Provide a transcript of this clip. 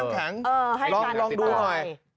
แข็งลองดูหน่อย